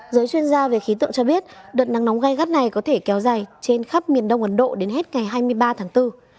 giới chuyên gia về khí tượng cho biết đợt nắng nóng gai gắt này có thể kéo dài trên khắp miền đông ấn độ đến hết ngày hai mươi ba tháng bốn